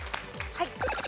はい。